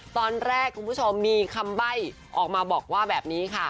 ตอนแรกคุณผู้ชมมีคำใบ้ออกมาบอกว่าแบบนี้ค่ะ